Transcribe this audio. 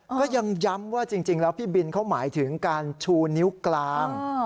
ก็ยังย้ำว่าจริงแล้วพี่บินเขาหมายถึงการชูนิ้วกลาง